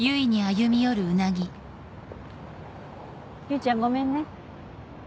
唯ちゃんごめんね。